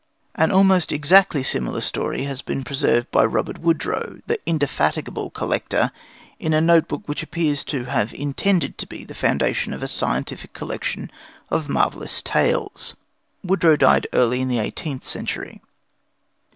An almost exactly similar story has been preserved by Robert Wodrow, the indefatigable collector, in a notebook which he appears to have intended to be the foundation of a scientific collection of marvellous tales. Wodrow died early in the eighteenth century.